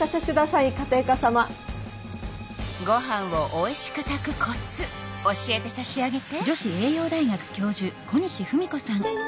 ご飯をおいしく炊くコツ教えてさしあげて。